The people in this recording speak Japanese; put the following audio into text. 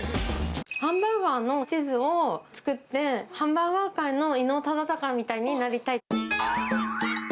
ハンバーガーの地図を作って、ハンバーガー界の伊能忠敬みたいになりたい。